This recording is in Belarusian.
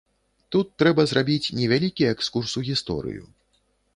Тут трэба зрабіць невялікі экскурс у гісторыю.